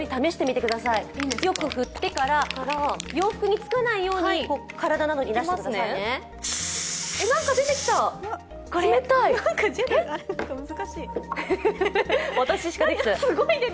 よく振ってから、洋服につかないように体などに出してくださいね。